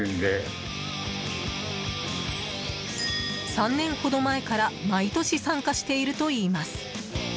３年ほど前から毎年参加しているといいます。